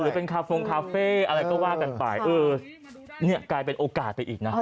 หรือเป็นอะไรก็ว่ากันไปเออเนี้ยกลายเป็นโอกาสไปอีกน่ะอ่า